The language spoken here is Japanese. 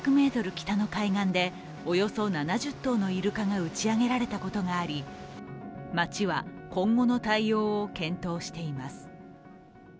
北の海岸でおよそ７０頭のイルカが打ち上げられたことがあり、町は今後の対応を検討しています。